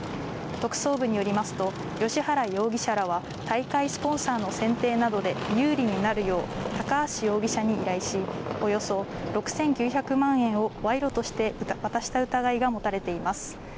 特捜部によりますと、芳原容疑者らは大会スポンサーの選定などで有利になるよう、高橋容疑者に依頼し、およそ６９００万円を賄賂として渡した疑いが持たれています。